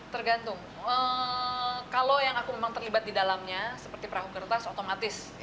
tergantung kalau yang aku memang terlibat di dalamnya seperti perahu kertas otomatis